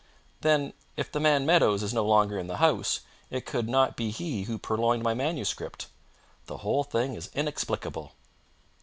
"Then, if the man Meadowes is no longer in the house it could not be he who purloined my manuscript. The whole thing is inexplicable."